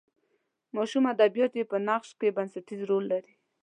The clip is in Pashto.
ماشوم ادبیات یې په نقش کې بنسټیز رول لري.